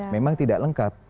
memang tidak lengkap